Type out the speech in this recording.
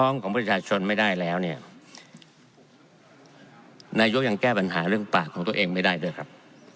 นายกยังแก้ปัญหาเรื่องปากของตัวเองไม่ได้ด้วยครับ